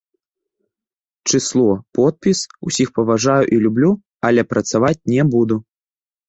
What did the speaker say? Чысло, подпіс, усіх паважаю і люблю, але працаваць не буду.